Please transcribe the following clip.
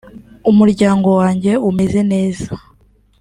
umuryango wanjye umeze neza